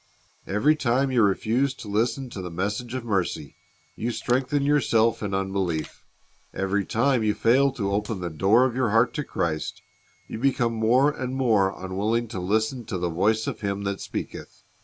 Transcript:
Every time you refuse to listen to the message of mercy, you strengthen yourself in unbelief Every time you fail to open the door of your heart to Christ, you become more and more unwilling to listen to the voice of Him that speaketh.